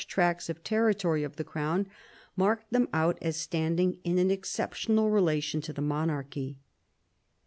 tracts of territory, of the crown, marked them out as standing in an exceptional relation to the monarchy.